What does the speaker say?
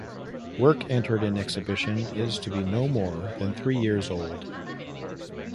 Work entered in exhibition is to be no more than three years old.